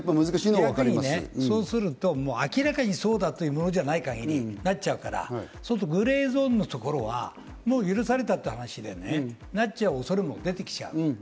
そうすると明らかにそうだというものじゃない限りとなっちゃうから、グレーゾーンのところはもう許されたって話でなっちゃう恐れも出てきちゃう。